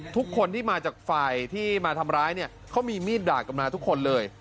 ทุกคนที่มาจากฝ่ายที่มาทำร้ายเนี่ยเขามีมีดดาบกันมาทุกคนเลย